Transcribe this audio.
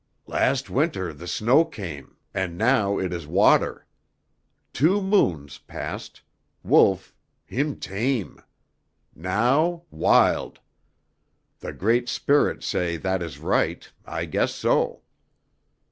"Last winter the snow came, and now it is water. Two moons past, Wolf, heem tame. Now wild. The Great Spirit say that is right, I guess so."